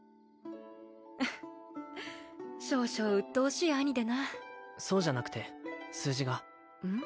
フッ少々うっとうしい兄でなそうじゃなくて数字がうん？